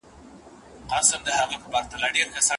هغه ماخذونه چي استاد یې ښيي ډېر مهم دي.